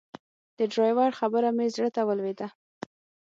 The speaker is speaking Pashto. د ډرایور خبره مې زړه ته ولوېده.